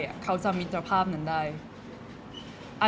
เอมอยากให้ถามเพื่อนของเอมค่ะ